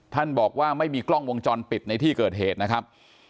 ท่านบอกว่าไม่มีกล้องวงจรปิดในที่เกิดเหตุนะครับ